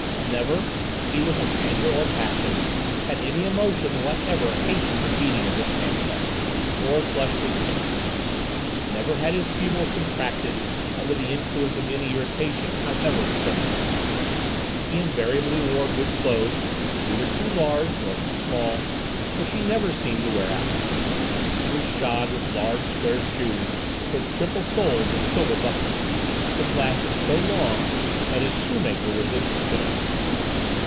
Never, either from anger or passion, had any emotion whatever hastened the beating of this man's heart, or flushed his face; never had his pupils contracted under the influence of any irritation, however ephemeral. He invariably wore good clothes, neither too large nor too small, which he never seemed to wear out. He was shod with large square shoes with triple soles and silver buckles, which lasted so long that his shoemaker was in despair.